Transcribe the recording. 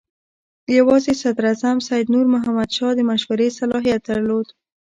یوازې صدراعظم سید نور محمد شاه د مشورې صلاحیت درلود.